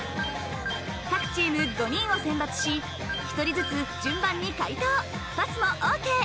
各チーム５人を選抜し一人ずつ順番に解答パスもＯＫ